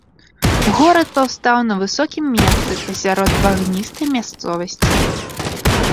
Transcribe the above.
Горад паўстаў на высокім месцы пасярод багністай мясцовасці.